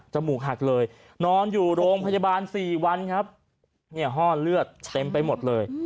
มูกหักเลยนอนอยู่โรงพยาบาล๔วันครับเนี่ยห้อเลือดเต็มไปหมดเลย